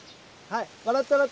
はい。